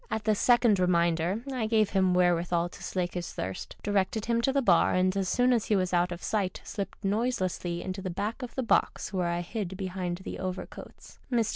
'' At this second reminder I gave him wherewithal to slake his thirst, directed him to the bar, and, as soon as he was out of sight, slipped noiselessly into the back of the box, where I hid beiiind the overcoats. Mr.